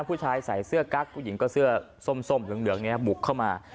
ผู้ชายใส่เสื้อกั๊กผู้หญิงก็เสื้อส้มเหลืองเนี่ยบุกเข้ามา